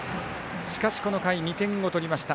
しかしこの回２点を取りました。